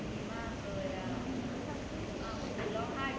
สวัสดีครับสวัสดีครับ